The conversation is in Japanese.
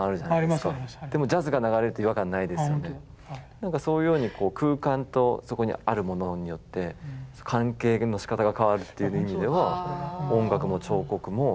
何かそういうようにこう空間とそこにあるものによって関係のしかたが変わるっていう意味では音楽も彫刻もにおいも一緒なのかなって思うんですよね。